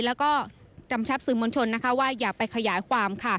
และก็จำชับสื่อมวลชนว่าอย่าไปขยายความ